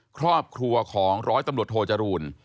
ครอบครัวของร้อยตำรวจโทจรูล